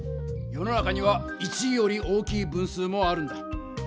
世の中には１より大きい分数もあるんだ。